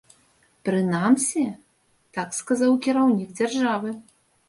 Прынамсі, так сказаў кіраўнік дзяржавы.